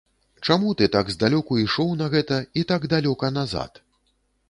Чаму ты так здалёку ішоў на гэта, і так далёка назад?!